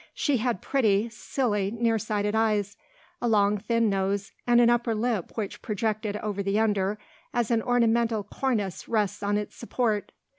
She had pretty, silly, near sighted eyes, a long thin nose, and an upper lip which projected over the under as an ornamental cornice rests on its support.